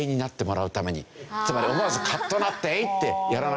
つまり思わずカッとなってえい！ってやらないで。